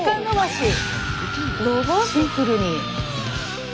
シンプルに。